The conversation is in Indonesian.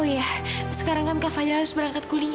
oh ya sekarang kan kak fadhil harus berangkat kuliah